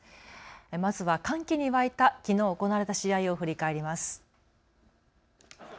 まずは歓喜に沸いたきのう行われた試合を振り返ります。